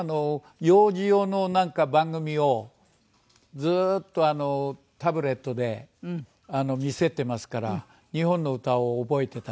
幼児用の番組をずーっとタブレットで見せてますから日本の歌を覚えてたり。